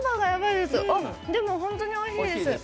でもホントにおいしいです。